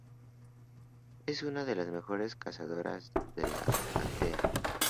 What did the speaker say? Es una de las mejores cazadoras de la aldea.